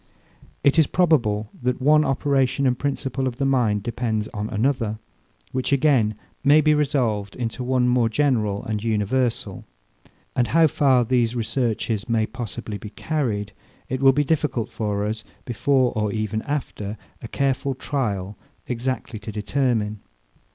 It is probable, that one operation and principle of the mind depends on another; which, again, may be resolved into one more general and universal: And how far these researches may possibly be carried, it will be difficult for us, before, or even after, a careful trial, exactly to determine.